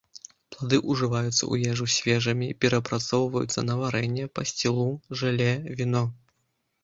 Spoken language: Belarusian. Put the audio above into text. Плады ўжываюцца ў ежу свежымі, перапрацоўваюцца на варэнне, пасцілу, жэле, віно.